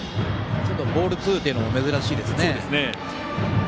ボール２っていうのも珍しいですね。